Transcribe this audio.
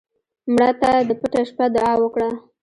مړه ته د پټه شپه دعا وکړه